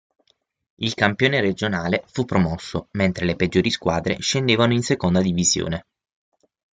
Il campione regionale fu promosso, mentre le peggiori squadre scendevano in Seconda Divisione.